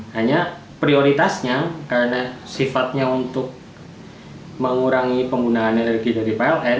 hanya prioritasnya karena sifatnya untuk mengurangi penggunaan energi dari pln